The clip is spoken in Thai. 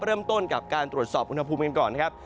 เริ่มต้นกับการตรวจสอบอุณหภูมิกันก่อนนะครับ